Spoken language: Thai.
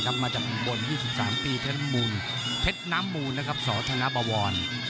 นำมาจากบน๒๓ปีเทศน้ำมูลเทศน้ำมูลนะครับสธนบวร